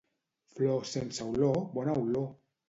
Flor sense olor, bona olor!